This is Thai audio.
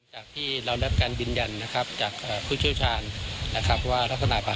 หัวบาดนะครับ